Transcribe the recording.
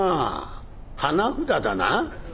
花札だな？」。